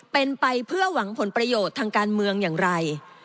เป็นไปเพื่อหวังผลประโยชน์ทางการเมืองอย่างไร